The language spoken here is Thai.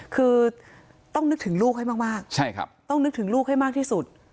คือต้องนึกถึงลูกให้มากต้องนึกถึงลูกให้มากที่สุด